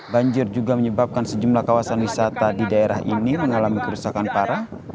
banjir juga menyebabkan sejumlah kawasan wisata di daerah ini mengalami kerusakan parah